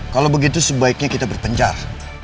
kalau begitu sebaiknya kita berpencar